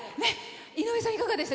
井上さん、いかがでした？